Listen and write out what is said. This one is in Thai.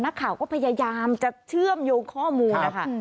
นักข่าวก็พยายามจะเชื่อมโยงข้อมูลนะคะ